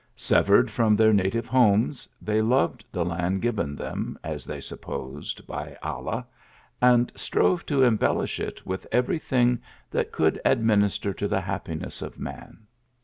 " Severed from their native homes, they loved the land given them, as they sup posed, by Allah, and strove to embellish it with every thing that could administer to the happiness of man.